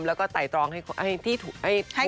แล้วก็ไต่ตรองให้ที่ถ่วนอ่านะคะคุณผู้ชมให้ที่ถ่วน